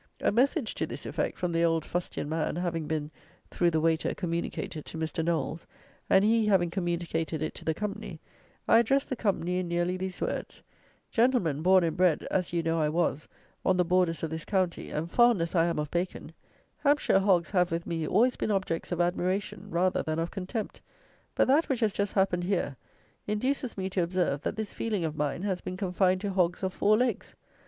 A message to this effect, from the old fustian man, having been, through the waiter, communicated to Mr. Knowles, and he having communicated it to the company, I addressed the company in nearly these words: "Gentlemen, born and bred, as you know I was, on the borders of this county, and fond, as I am of bacon, Hampshire hogs have, with me, always been objects of admiration rather than of contempt; but that which has just happened here, induces me to observe, that this feeling of mine has been confined to hogs of four legs.